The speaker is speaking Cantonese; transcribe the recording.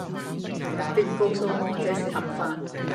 別告訴我這是合法